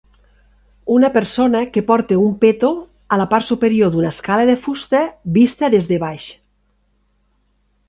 Una persona que porta un peto a la part superior d'una escala de fusta vista des de baix.